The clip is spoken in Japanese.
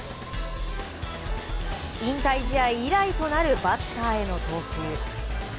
引退試合以来となるバッターへの投球。